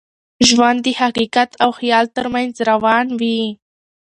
ژوند د حقیقت او خیال تر منځ روان وي.